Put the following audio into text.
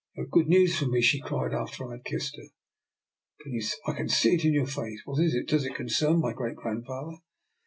" You have good news for me," she cried, after I had kissed her. " I can see it in your face. What is it ? Does it concern my great grandfather?